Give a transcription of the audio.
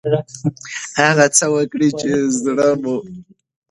هغه څه وکړئ چې زړه مو غواړي.